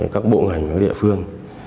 các bộ ngành ở địa phương